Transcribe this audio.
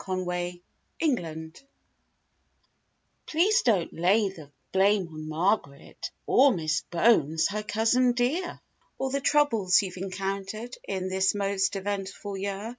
73 TO WOODROW Please don't lay the blame on Margaret, Or Miss Bones, her cousin dear; Or the troubles you've encountered In this most eventful year.